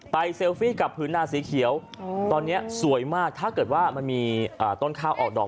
เซลฟี่กับพื้นนาสีเขียวตอนนี้สวยมากถ้าเกิดว่ามันมีต้นข้าวออกดอก